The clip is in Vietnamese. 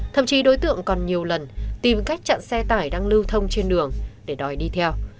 thậm chí đối tượng còn nhiều lần tìm cách chặn xe tải đang lưu thông trên đường để đòi đi theo